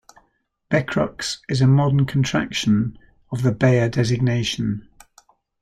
"Becrux" is a modern contraction of the Bayer designation.